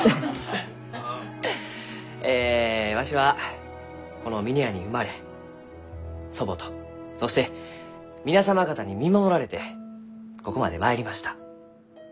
えわしはこの峰屋に生まれ祖母とそして皆様方に見守られてここまで参りました。